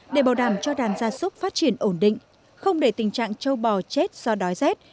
để bảo đảm cho đàn gia súc phát triển ổn định không để tình trạng châu bò chết do đói rét